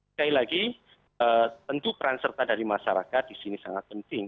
sekali lagi tentu peran serta dari masyarakat di sini sangat penting